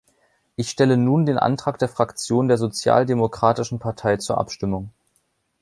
Ich stelle nun den Antrag der Fraktion der Sozialdemokratischen Partei zur Abstimmung.